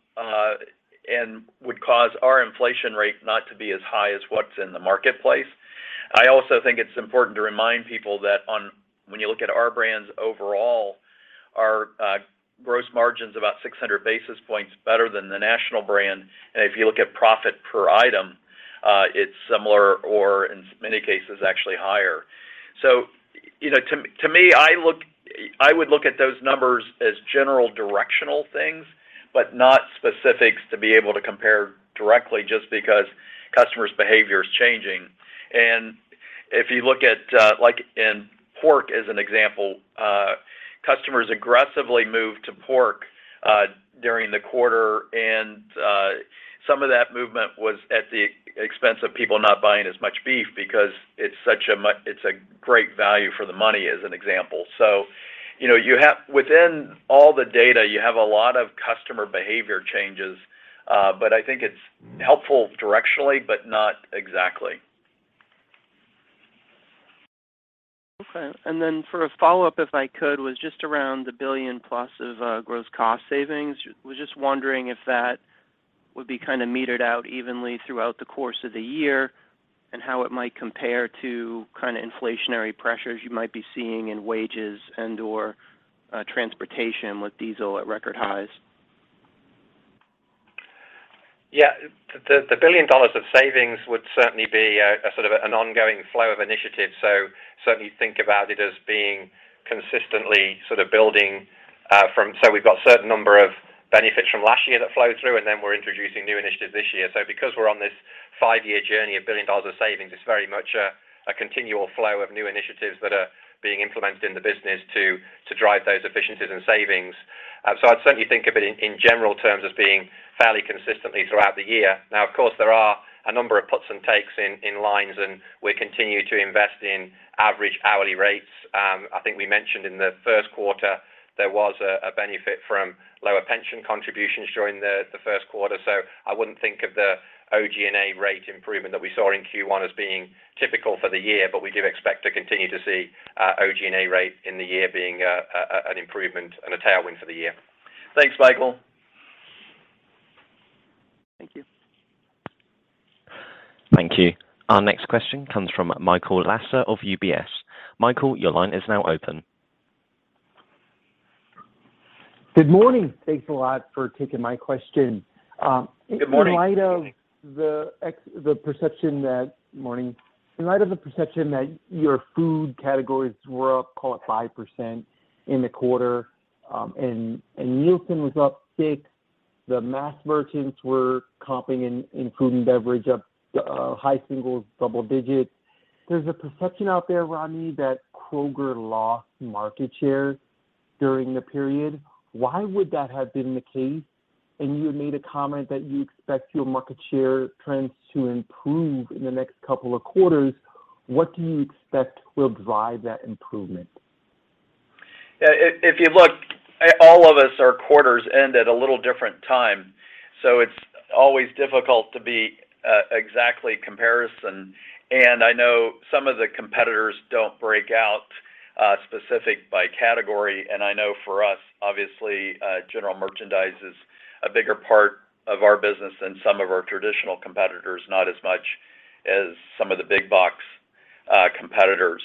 and would cause our inflation rate not to be as high as what's in the marketplace. I also think it's important to remind people that when you look at our brands overall, our gross margin's about 600 basis points better than the national brand. If you look at profit per item, it's similar or in many cases, actually higher. You know, to me, I would look at those numbers as general directional things, but not specifics to be able to compare directly just because customers' behavior is changing. If you look at like in pork as an example, customers aggressively moved to pork during the quarter. Some of that movement was at the expense of people not buying as much beef because it's such a great value for the money, as an example. You know, within all the data, you have a lot of customer behavior changes, but I think it's helpful directionally, but not exactly. Okay. Then for a follow-up, if I could, was just around the $1 billion plus of gross cost savings. Was just wondering if that would be kind of meted out evenly throughout the course of the year and how it might compare to kind of inflationary pressures you might be seeing in wages and/or transportation with diesel at record highs. Yeah. The $1 billion of savings would certainly be a sort of an ongoing flow of initiatives. Certainly think about it as being consistently sort of building. We've got a certain number of benefits from last year that flow through, and then we're introducing new initiatives this year. Because we're on this five-year journey of $1 billion of savings, it's very much a continual flow of new initiatives that are being implemented in the business to drive those efficiencies and savings. I'd certainly think of it in general terms as being fairly consistently throughout the year. Now, of course, there are a number of puts and takes in lines, and we continue to invest in average hourly rates. I think we mentioned in the first quarter there was a benefit from lower pension contributions during the first quarter. I wouldn't think of the OG&A rate improvement that we saw in Q1 as being typical for the year. We do expect to continue to see OG&A rate in the year being an improvement and a tailwind for the year. Thanks, Michael. Thank you. Thank you. Our next question comes from Michael Lasser of UBS. Michael, your line is now open. Good morning. Thanks a lot for taking my question. Good morning. In light of the perception that your food categories were up, call it 5% in the quarter, and Nielsen was up 6%, the mass merchants were comping in food and beverage up high single digits, double digits. There's a perception out there, Rodney, that Kroger lost market share during the period. Why would that have been the case? You had made a comment that you expect your market share trends to improve in the next couple of quarters. What do you expect will drive that improvement? If you look, all of us, our quarters end at a little different time, so it's always difficult to be exactly comparable. I know some of the competitors don't break out specifically by category. I know for us, obviously, general merchandise is a bigger part of our business than some of our traditional competitors, not as much as some of the big box competitors.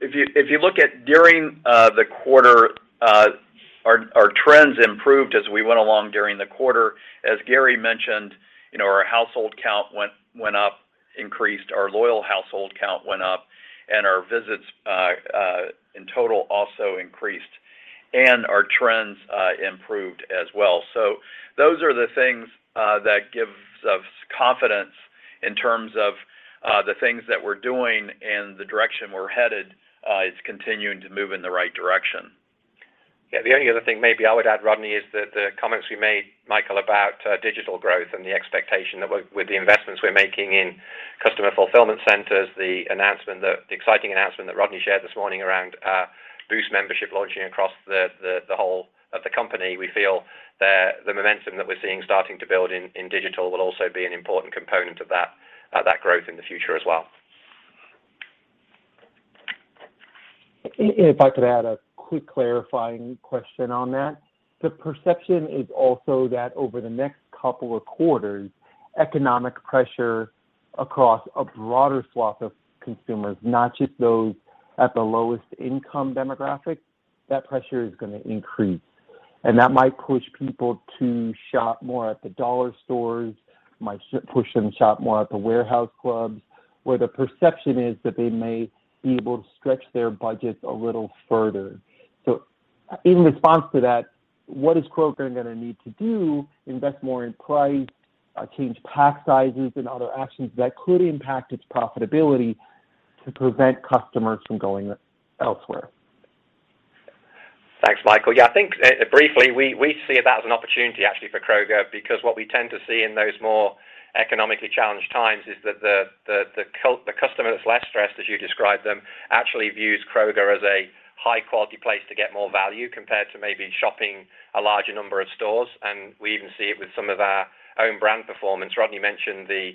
If you look, during the quarter, our trends improved as we went along during the quarter. As Gary mentioned, you know, our household count went up, increased. Our loyal household count went up, and our visits in total also increased, and our trends improved as well. Those are the things that gives us confidence in terms of the things that we're doing and the direction we're headed is continuing to move in the right direction. Yeah. The only other thing maybe I would add, Rodney, is the comments we made, Michael, about digital growth and the expectation of with the investments we're making in customer fulfillment centers. The announcement, the exciting announcement that Rodney shared this morning around Boost membership launching across the whole of the company. We feel the momentum that we're seeing starting to build in digital will also be an important component of that growth in the future as well. If I could add a quick clarifying question on that. The perception is also that over the next couple of quarters, economic pressure across a broader swath of consumers, not just those at the lowest income demographic, that pressure is gonna increase. That might push people to shop more at the dollar stores, might push them to shop more at the warehouse clubs, where the perception is that they may be able to stretch their budgets a little further. In response to that, what is Kroger gonna need to do, invest more in price, change pack sizes and other actions that could impact its profitability to prevent customers from going elsewhere? Thanks, Michael. Yeah, I think briefly, we see that as an opportunity actually for Kroger, because what we tend to see in those more economically challenged times is that the customer that's less stressed, as you describe them, actually views Kroger as a high quality place to get more value compared to maybe shopping a larger number of stores. We even see it with some of our own brand performance. Rodney mentioned the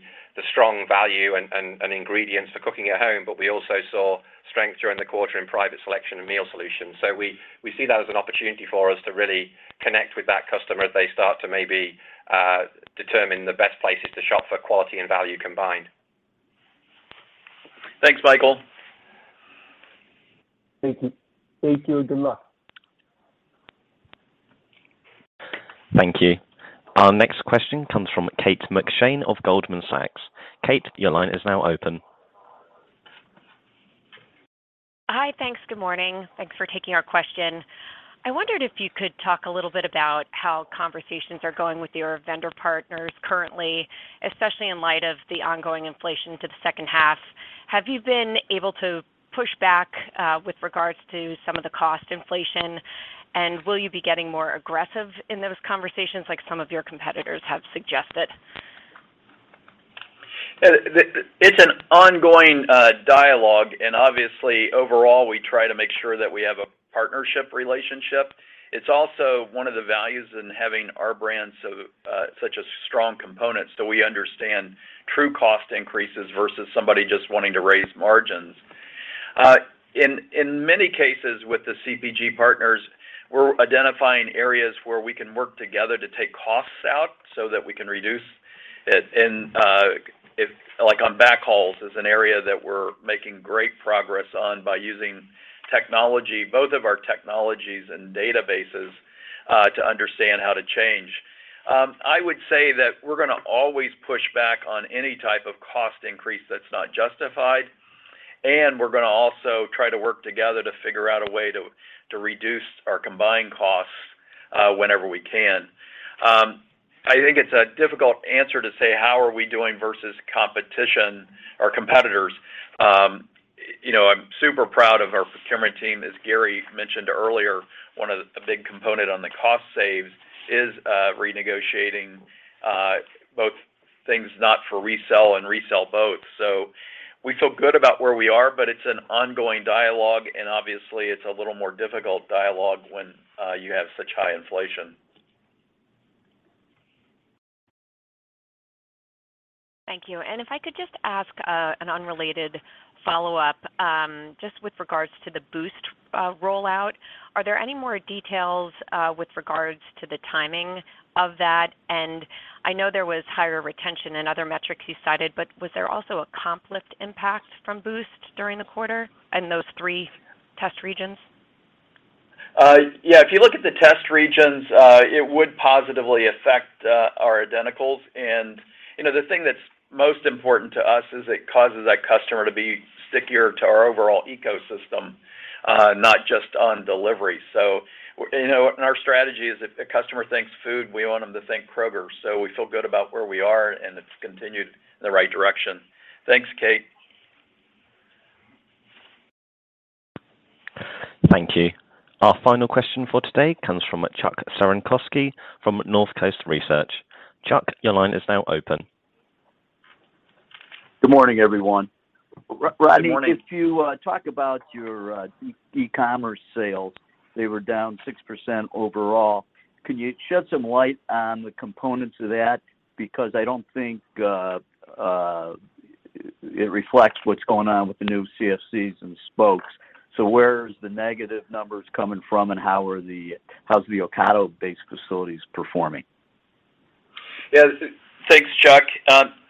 strong value and ingredients for cooking at home, but we also saw strength during the quarter in Private Selection and meal solutions. We see that as an opportunity for us to really connect with that customer as they start to maybe determine the best places to shop for quality and value combined. Thanks, Michael. Thank you. Thank you and good luck. Thank you. Our next question comes from Kate McShane of Goldman Sachs. Kate, your line is now open. Hi. Thanks. Good morning. Thanks for taking our question. I wondered if you could talk a little bit about how conversations are going with your vendor partners currently, especially in light of the ongoing inflation to the second half. Have you been able to push back with regards to some of the cost inflation? Will you be getting more aggressive in those conversations like some of your competitors have suggested? It's an ongoing dialogue, and obviously, overall, we try to make sure that we have a partnership relationship. It's also one of the values in having our brand so such a strong component, so we understand true cost increases versus somebody just wanting to raise margins. In many cases with the CPG partners, we're identifying areas where we can work together to take costs out so that we can reduce it. Like on backhauls is an area that we're making great progress on by using technology, both of our technologies and databases, to understand how to change. I would say that we're gonna always push back on any type of cost increase that's not justified, and we're gonna also try to work together to figure out a way to reduce our combined costs whenever we can. I think it's a difficult answer to say how we are doing versus competition or competitors. You know, I'm super proud of our procurement team. As Gary mentioned earlier, one of the big component on the cost savings is renegotiating both things not for resale and resale both. We feel good about where we are, but it's an ongoing dialogue, and obviously, it's a little more difficult dialogue when you have such high inflation. Thank you. If I could just ask, an unrelated follow-up, just with regards to the Boost rollout. Are there any more details, with regards to the timing of that? I know there was higher retention and other metrics you cited, but was there also a comp lift impact from Boost during the quarter in those three test regions? Yeah. If you look at the test regions, it would positively affect our identicals. You know, the thing that's most important to us is it causes that customer to be stickier to our overall ecosystem, not just on delivery. You know, our strategy is if a customer thinks food, we want them to think Kroger's. We feel good about where we are, and it's continued in the right direction. Thanks, Kate. Thank you. Our final question for today comes from Chuck Cerankosky from Northcoast Research. Chuck, your line is now open. Good morning, everyone. Good morning. Rodney, if you talk about your e-commerce sales, they were down 6% overall. Can you shed some light on the components of that? Because I don't think it reflects what's going on with the new CFCs and spokes. Where's the negative numbers coming from, and how's the Ocado-based facilities performing? Yeah. Thanks, Chuck.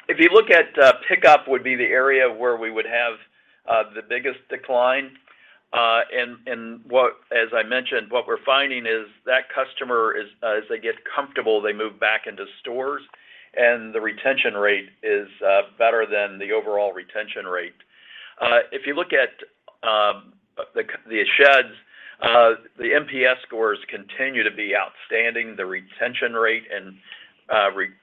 If you look at pickup would be the area where we would have the biggest decline. As I mentioned, what we're finding is that customer is, as they get comfortable, they move back into stores, and the retention rate is better than the overall retention rate. If you look at the sheds, the NPS scores continue to be outstanding. The retention rate and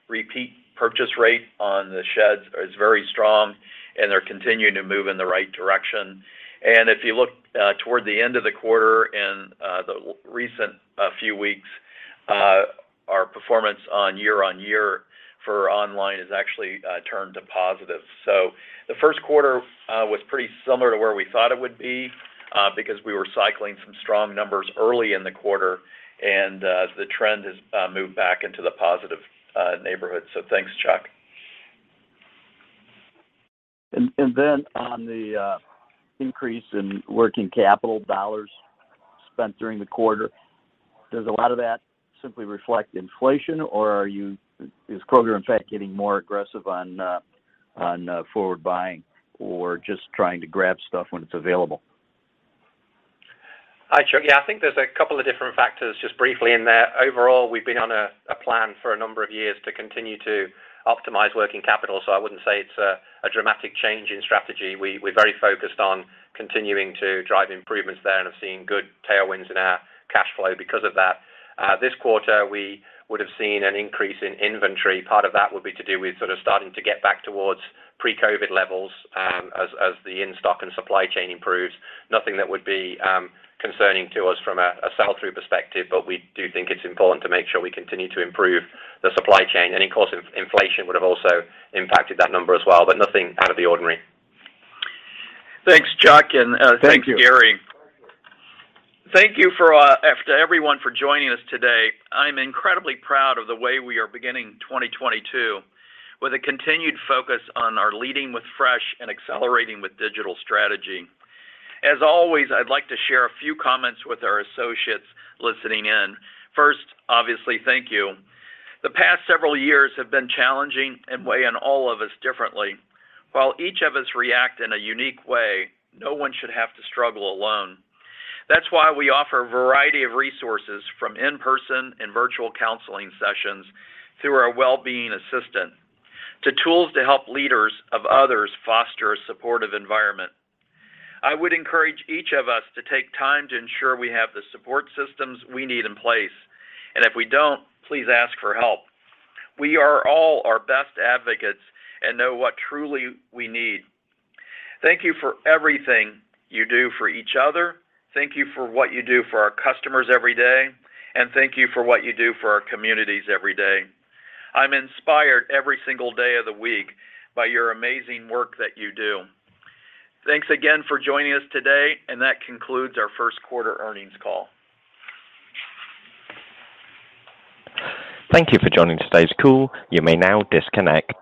repeat purchase rate on the sheds is very strong, and they're continuing to move in the right direction. If you look toward the end of the quarter and the recent few weeks, our performance on year-over-year for online has actually turned to positive. The first quarter was pretty similar to where we thought it would be, because we were cycling some strong numbers early in the quarter, and the trend has moved back into the positive neighborhood. Thanks, Chuck. On the increase in working capital dollars spent during the quarter, does a lot of that simply reflect inflation, or is Kroger in fact getting more aggressive on forward buying or just trying to grab stuff when it's available? Hi, Chuck. Yeah. I think there's a couple of different factors just briefly in there. Overall, we've been on a plan for a number of years to continue to optimize working capital, so I wouldn't say it's a dramatic change in strategy. We're very focused on continuing to drive improvements there and have seen good tailwinds in our cash flow because of that. This quarter, we would have seen an increase in inventory. Part of that would be to do with sort of starting to get back towards pre-COVID levels, as the in-stock and supply chain improves. Nothing that would be concerning to us from a sell-through perspective, but we do think it's important to make sure we continue to improve the supply chain. Of course, inflation would have also impacted that number as well, but nothing out of the ordinary. Thanks, Chuck. Thank you. Thanks, Gary. Thank you to everyone for joining us today. I'm incredibly proud of the way we are beginning 2022, with a continued focus on our leading with fresh and accelerating with digital strategy. As always, I'd like to share a few comments with our associates listening in. First, obviously, thank you. The past several years have been challenging and weigh on all of us differently. While each of us react in a unique way, no one should have to struggle alone. That's why we offer a variety of resources from in-person and virtual counseling sessions through our well-being assistant to tools to help leaders of others foster a supportive environment. I would encourage each of us to take time to ensure we have the support systems we need in place. If we don't, please ask for help. We are all our best advocates and know what truly we need. Thank you for everything you do for each other. Thank you for what you do for our customers every day, and thank you for what you do for our communities every day. I'm inspired every single day of the week by your amazing work that you do. Thanks again for joining us today, and that concludes our first quarter earnings call. Thank you for joining today's call. You may now disconnect.